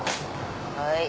はい。